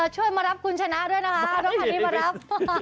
ช่วยมารับคุณชนะด้วยนะคะรถคันนี้มารับ